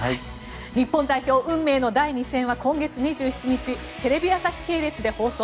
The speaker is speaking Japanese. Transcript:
日本代表、運命の第２戦は今月２７日テレビ朝日系列で放送。